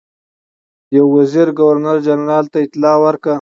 یو وزیر ګورنر جنرال ته اطلاع ورکړه.